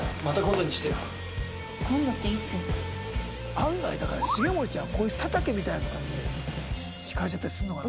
案外だから重盛ちゃんはこういう佐竹みたいなのとかに惹かれちゃったりするのかな？